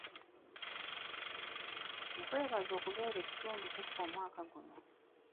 Nkwebaza okubeera ekitundu ku ffe omwaka guno.